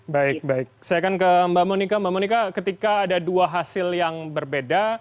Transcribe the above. baik baik saya akan ke mbak monika mbak monika ketika ada dua hasil yang berbeda